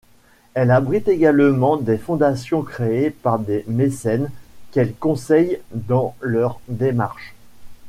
Elle abrite également des fondations créées par des mécènes, qu’elle conseille dans leur démarche.